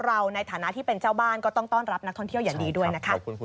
เราในฐานะที่เป็นเจ้าบ้านก็ต้องต้อนรับนักท่องเที่ยวอย่างดีด้วยนะคะครับขอบคุณคุณ